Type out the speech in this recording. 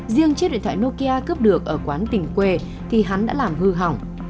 riêng chiếc điện thoại nokia cướp được ở quán tình quê thì hắn đã làm hư hỏng